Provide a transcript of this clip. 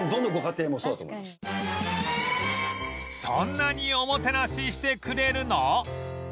そんなにおもてなししてくれるの？